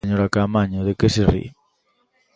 Señora Caamaño, ¿de que se ri?